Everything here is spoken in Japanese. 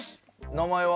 名前は？